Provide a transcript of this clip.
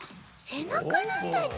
せなかなんだち？